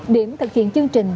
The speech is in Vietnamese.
điểm thực hiện chương trình